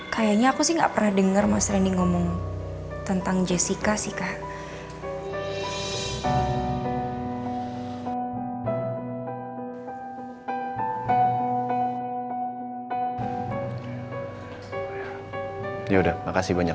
kayanya aku sih gak pernah denger mas randy ngomong tentang jessica sih kak